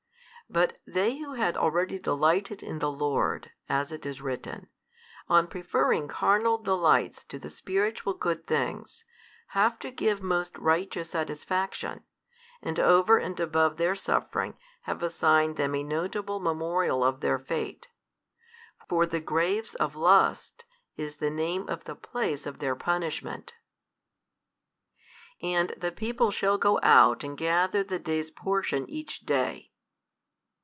But they who had already delighted in the Lord, as it is written, on preferring carnal delights to the spiritual good things, have to give most righteous satisfaction, and over and above their suffering have assigned them a notable memorial of their fate. For the graves of lust is the name of the place of their punishment. And the people shall go out and gather the day's portion each day.